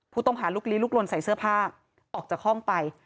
ผู้ต้องหาลุกลีลุกลนใส่เสื้อผ้าออกจากห้องไป